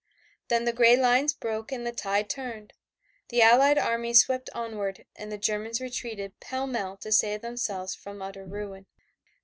Then the gray lines broke, and the tide turned. The Allied Armies swept onward and the Germans retreated pell mell to save themselves from utter ruin.